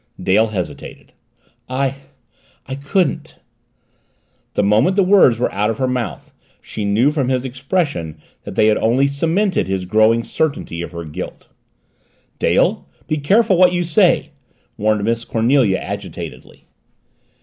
Dale hesitated. "I I couldn't." The moment the words were out of her mouth she knew from his expression that they had only cemented his growing certainty of her guilt. "Dale! Be careful what you say!" warned Miss Cornelia agitatedly.